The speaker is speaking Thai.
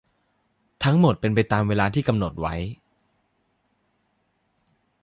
ทั้งหมดเป็นไปตามเวลาที่กำหดนไว้